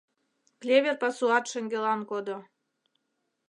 Клевер пасуат шеҥгелан кодо.